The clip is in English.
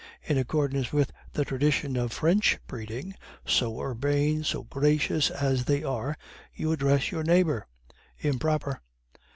In accordance with the tradition of French breeding, so urbane, so gracious as they are, you address your neighbor 'improper.